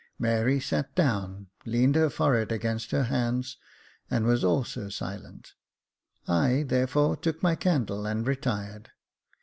Mary sat down, leaned her forehead against her hands, and was also silent ; I, therefore, took my candle and retired.